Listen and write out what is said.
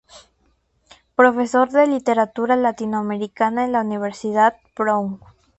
Profesor de Literatura Latinoamericana en la Universidad Brown.